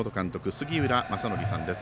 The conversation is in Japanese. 杉浦正則さんです。